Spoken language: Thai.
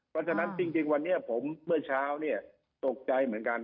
เพราะฉะนั้นจริงวันนี้ผมเมื่อเช้าเนี่ยตกใจเหมือนกัน